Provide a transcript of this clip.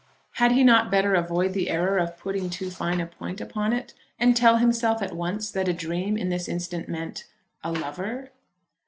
Had he not better avoid the error of putting too fine a point upon it, and tell himself at once that a dream in this instance meant a lover?